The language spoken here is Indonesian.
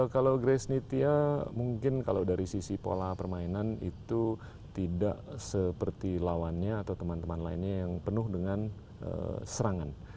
kalau grace nitya mungkin kalau dari sisi pola permainan itu tidak seperti lawannya atau teman teman lainnya yang penuh dengan serangan